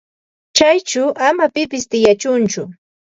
Chayćhu ama pipis tiyachunchu.